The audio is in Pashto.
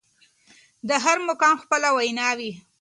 د هر مقام خپله وينا وي.